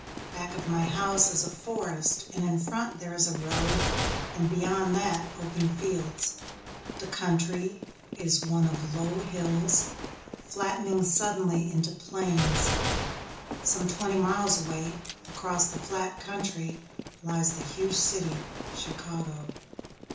Back of my house is a forest and in front there is a road and beyond that open fields. The country is one of low hills, flattening suddenly into plains. Some twenty miles away, across the flat country, lies the huge city, Chicago.